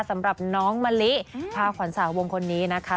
สำหรับน้องมะลิพาขวัญสาววงคนนี้นะคะ